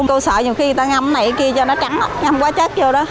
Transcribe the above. cô sợ khi ta ngâm này cái kia cho nó trắng ngâm hóa chất vô đó